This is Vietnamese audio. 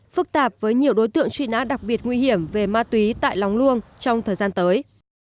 phức tạp với nhiều đối tượng truy nã đặc biệt nguy hiểm về ma túy tại lóng luông trong thời gian tới